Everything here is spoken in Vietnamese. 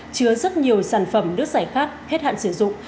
chứa rất nhiều sản phẩm nước giải khát hết hạn sử dụng